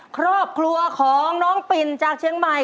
ครอบครัวของน้องปิ่นจากเชียงใหม่